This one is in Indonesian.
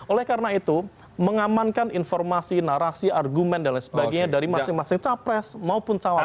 oleh karena itu mengamankan informasi narasi argumen dan lain sebagainya dari masing masing cawa pres maupun cawa pres